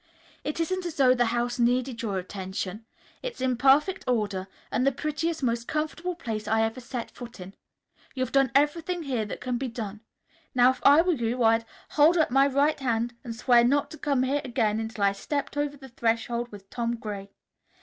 "It isn't as though the house needed your attention. It's in perfect order and the prettiest, most comfortable place I ever set foot in. You've done everything here that can be done. Now if I were you I'd hold up my right hand and swear not to come here again until I stepped over the threshold with Tom Gray.